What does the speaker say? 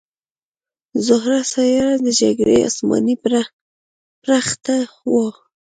زهره سیاره د جګړې اسماني پرښته وه